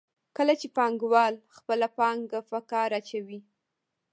کله چې پانګوال خپله پانګه په کار اچوي